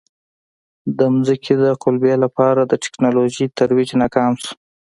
د ځمکې د قُلبې لپاره د ټکنالوژۍ ترویج ناکام شو.